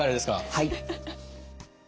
はい。